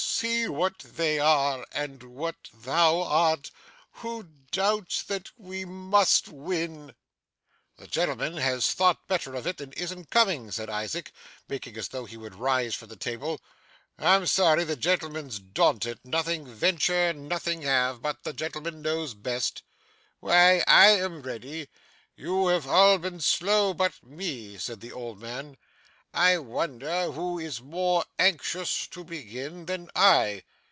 See what they are and what thou art. Who doubts that we must win!' 'The gentleman has thought better of it, and isn't coming,' said Isaac, making as though he would rise from the table. 'I'm sorry the gentleman's daunted nothing venture, nothing have but the gentleman knows best.' 'Why I am ready. You have all been slow but me,' said the old man. 'I wonder who is more anxious to begin than I.